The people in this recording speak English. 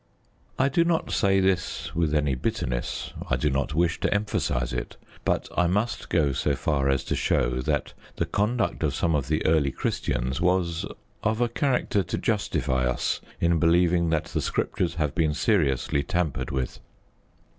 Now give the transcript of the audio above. I do not say this with any bitterness, I do not wish to emphasise it; but I must go so far as to show that the conduct of some of the early Christians was of a character to justify us in believing that the Scriptures have been seriously tampered with.